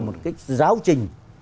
một cái giáo trình